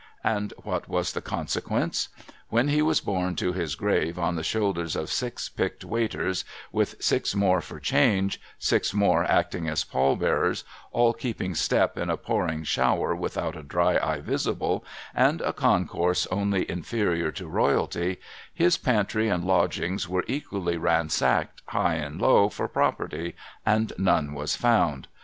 And what was the consequence ? When he was borne to his grave on the shoulders of six picked Waiters, with six more for change, six more acting as pall bearers, all keeping step in a pouring shower without a dry eye visible, and a concourse only inferior to Royalty, his pantry and lodgings was equally ransacked high and low for property, and none was found